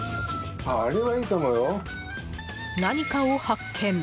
何かを発見。